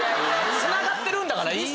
つながってるんだから。